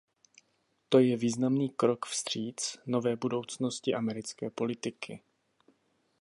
To je významný krok vstříc nové budoucnosti americké politiky.